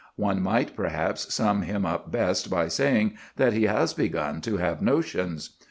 One might perhaps sum him up best by saying that he has begun to have notions.